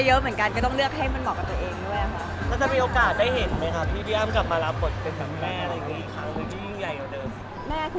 แต่ท่าทางจะใช้ไม่ได้นะ